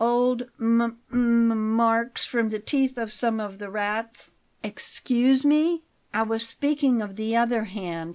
"Old m m marks from the teeth of some of the rats." "Excuse me; I was speaking of the other hand.